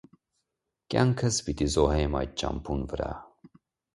Կեանքս պիտի զոհեմ այդ ճամբուն վրայ։